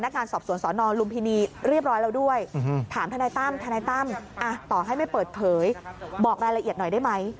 ทนัยตั้มต่อให้ไม่เปิดเผยบอกรายละเอียดหน่อยได้ไหม